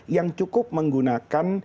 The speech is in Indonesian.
yang cukup menggunakan